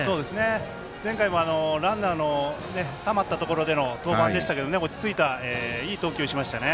前回もランナーのたまったところでの登板でしたけどね、落ち着いたいい投球しましたね。